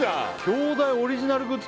京大オリジナルグッズ